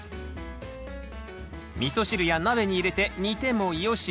みそ汁や鍋に入れて煮てもよし。